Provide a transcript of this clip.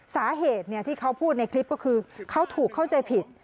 สาเหตุที่เขาพูดในคลิปก็คือเขาถูกเข้าใจผิด